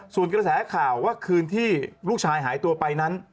ส่วนกระแสข่าวว่าคืนที่ลูกชายหายตัวไปนั้น